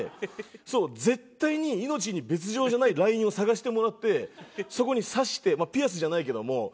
そう絶対に命に別条じゃないラインを探してもらってそこに刺してまあピアスじゃないけども。